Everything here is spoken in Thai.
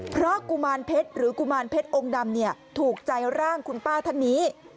เพราะกุมารเพชรหรือกุมารเพชรองค์ดำถูกใจร่างคุณป้าท่านนี้